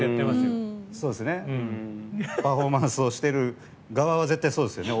パフォーマンスしてる側はそうですよね。